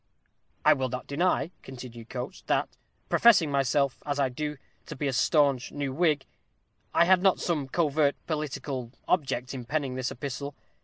I will not deny," continued Coates, "that, professing myself, as I do, to be a staunch new Whig, I had not some covert political object in penning this epistle.